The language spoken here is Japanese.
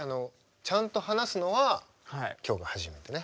ちゃんと話すのは今日が初めてね。